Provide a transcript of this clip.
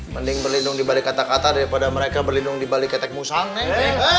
mending berlindung dibalik kata kata daripada mereka berlindung dibalik katak musang